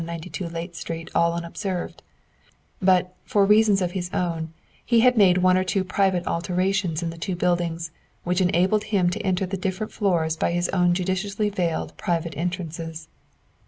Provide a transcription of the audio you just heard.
192 Layte Street all unobserved; but, for reasons of his own, he had made one or two private alterations in the two buildings which enabled him to enter the different floors by his own judiciously veiled private entrances.